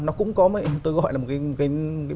nó cũng có tôi gọi là một cái